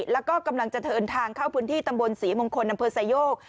แล้วก็กำลังจะเดินทางเข้าพื้นที่ตำบลศรีมงคลอำเภอไซโยก